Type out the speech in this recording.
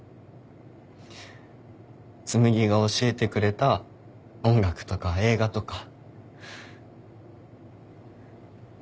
紬が教えてくれた音楽とか映画とか。